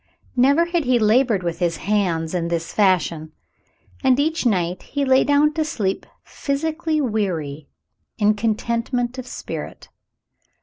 Never had he labored with his hands in this fashion, and each night he lay down to sleep physically weary, in contentment of spirit.